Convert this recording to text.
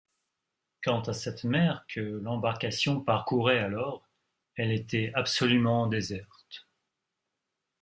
Quant à cette mer que l’embarcation parcourait alors, elle était absolument déserte